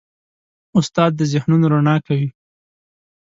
استاد د ذهنونو رڼا کوي.